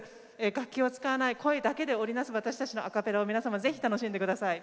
楽器を使わない声だけで織り成す私たちのアカペラを皆様ぜひ楽しんで下さい。